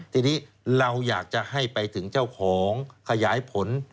ทีนี้เราอยากจะให้ไปถึงเจ้าของขยายผล